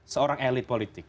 seorang elit politik